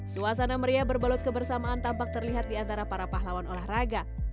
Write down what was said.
suasana meriah berbalut kebersamaan tampak terlihat di antara para pahlawan olahraga